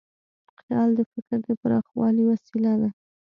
خیال د فکر د پراخوالي وسیله ده.